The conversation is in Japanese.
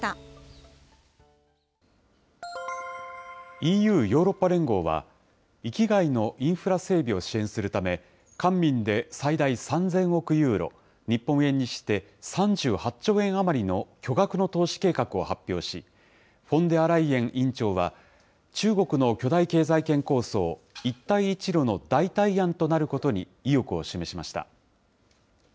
ＥＵ・ヨーロッパ連合は、域外のインフラ整備を支援するため、官民で最大３０００億ユーロ、日本円にして３８兆円余りの巨額の投資計画を発表し、フォンデアライエン委員長は、中国の巨大経済圏構想、一帯一路の代替案となることに意欲を示しました。